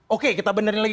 oke kita benerin lagi